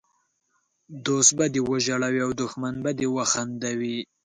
دوست به دې وژړوي او دښمن به دي وخندوي!